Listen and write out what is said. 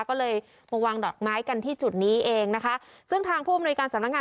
ก็เลยมาวางดอกไม้กันที่จุดนี้เองนะคะซึ่งทางผู้อำนวยการสำนักงาน